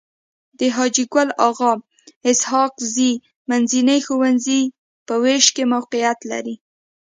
د حاجي ګل اغا اسحق زي منځنی ښوونځی په ويش کي موقعيت لري.